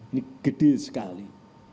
ini gede sekali